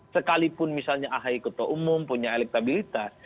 sekalipun misalnya ahy ketua umum punya elektabilitas